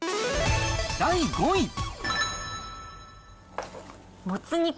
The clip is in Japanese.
第５位。